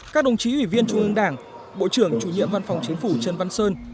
các đồng chí ủy viên trung ương đảng bộ trưởng chủ nhiệm văn phòng chính phủ trần văn sơn